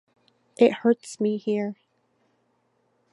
It hurts me here.